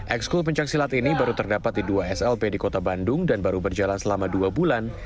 ekskul pencaksilat ini baru terdapat di dua slb di kota bandung dan baru berjalan selama dua bulan